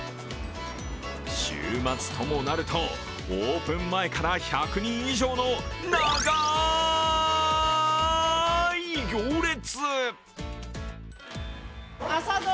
週末ともなると、オープン前から１００人以上の長い行列。